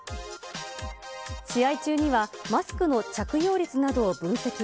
試合中には、マスクの着用率などを分析。